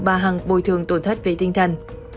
bà hằng bồi thường tổn thất về tinh thần